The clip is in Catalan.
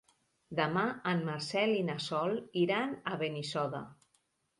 Demà en Marcel i na Sol iran a Benissoda.